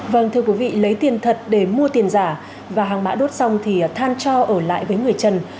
vâng thưa quý vị lấy tiền thật để mua tiền giả và hàng mã đốt xong thì than cho ở lại với người trần